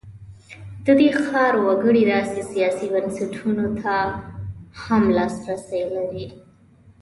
د دې ښار وګړي داسې سیاسي بنسټونو ته هم لاسرسی لري.